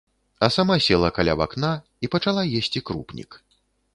А сама села каля вакна і пачала есці крупнік.